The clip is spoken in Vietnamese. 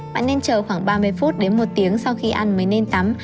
bạn nên chờ khoảng ba mươi phút đến một tiếng sau khi ăn mới nên tắm